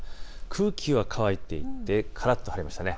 空気は乾いていてからっと晴れました。